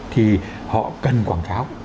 thì họ cần quảng cáo